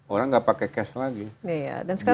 orang nggak pakai cash lagi